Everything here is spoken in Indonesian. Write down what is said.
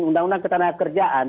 undang undang ketandak kerjaan